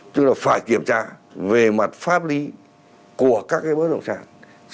tức là phải kiểm tra về mặt pháp lý của các cái bất động sản